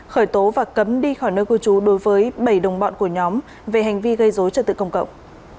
khởi tố và cấm đi khỏi nơi cư trú đối với bảy đồng bọn của nhóm về hành vi gây dối trật tự công cộng